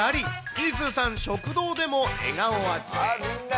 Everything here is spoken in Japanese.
みーすーさん、食堂でも笑顔集め。